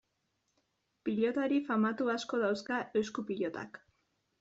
Pilotari famatu asko dauzka esku-pilotak.